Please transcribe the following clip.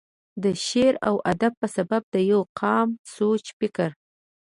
دَ شعر و ادب پۀ سبب دَ يو قام سوچ فکر،